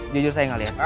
jujur saya gak liat